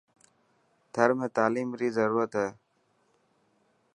ٿر ۾ تعليم ري ضرورت هي.